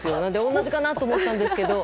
同じかなと思ったんですけど。